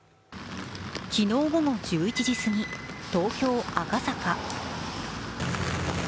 昨日午後１１時すぎ、東京・赤坂。